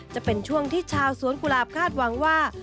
จะเป็นช่วงที่ชาวสวนกุหลาบคาดหวังว่า